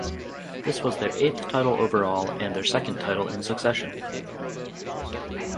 This was their eighth title overall and their second title in succession.